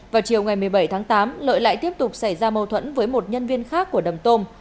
vào chiều ngày một mươi bảy tháng tám lợi lại tiếp tục xảy ra mâu thuẫn với một nhân viên khác của đầm tôm